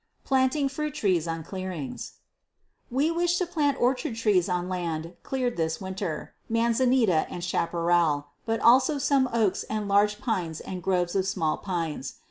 Planting Fruit Trees on Clearings. We wish to plant orchard trees on land cleared this winter: manzanita and chaparral, but also some oaks and large pines and groves of small pines.